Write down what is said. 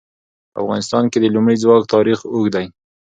په افغانستان کې د لمریز ځواک تاریخ اوږد دی.